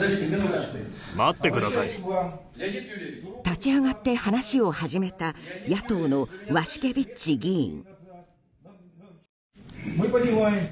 立ち上がって話を始めた野党のワシュケビッチ議員。